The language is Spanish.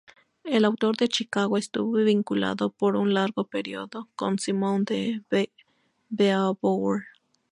El autor de Chicago estuvo vinculado por un largo periodo con Simone de Beauvoir.